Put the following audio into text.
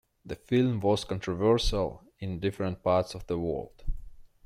The film was controversial in different parts of the world.